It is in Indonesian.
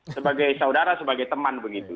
sebagai saudara sebagai teman begitu